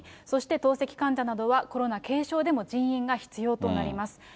そして透析患者などは、コロナ軽症でも人員が必要となります。